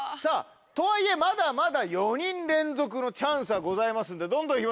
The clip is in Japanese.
とはいえまだまだ４人連続のチャンスはございますんでどんどんいきましょう。